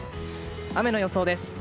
雨の予想です。